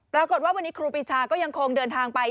ปรากฏว่าวันนี้ครูปีชาก็ยังคงเดินทางไป